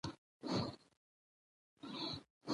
د مېلو له لاري خلک د خپل کلتوري هویت ویاړ کوي.